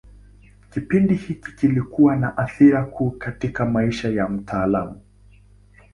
Kipindi hiki kilikuwa na athira kuu katika maisha ya mtaalamu.